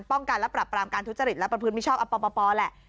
ป้องกันและปรับปรามการทุจริตและประพฤติมิชอบอปปแหละ